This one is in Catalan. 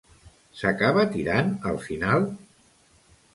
S'acaba tirant al final?